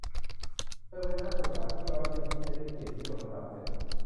เธอเป็นนักศึกษาที่ยอดเยี่ยมที่จะได้เกียรตินิยมอันดับหนึ่ง